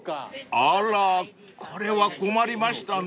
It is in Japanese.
［あらこれは困りましたね］